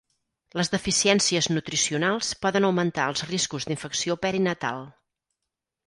Les deficiències nutricionals poden augmentar els riscos d'infecció perinatal.